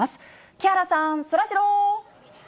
木原さん、そらジロー。